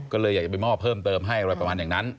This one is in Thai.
ก็เลยอยากจะไปมอบเพิ่มเติมให้อะไรประมาณอย่างนั้น